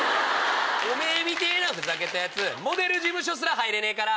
おめぇみてぇなふざけた奴モデル事務所すら入れねえから！